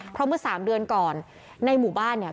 เพราะเมื่อ๓เดือนก่อนในหมู่บ้านเกิดเหตุ